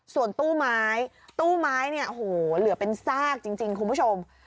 ส่วนตู้ไม้ตู้ไม้เนี่ยโอ้โหเหลือเป็นซากจริงคุณผู้ชม